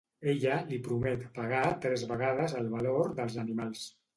Ella li promet pagar tres vegades el valor dels animals.